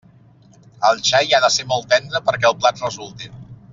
El xai ha de ser molt tendre perquè el plat resulti.